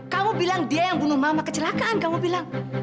kamu bilang dia yang bunuh mama kecelakaan kamu bilang